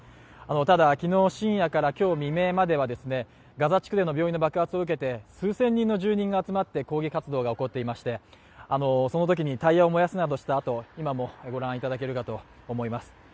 ただ、昨日深夜から今日未明まではガザ地区での病院の爆発を受けて数千人の住民が集まって抗議活動が起こっていまして、そのときにタイヤを燃やすなどしたあとが今もご覧いただけるかと思います。